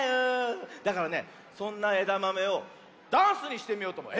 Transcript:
だからねそんなえだまめをダンスにしてみようとおもう。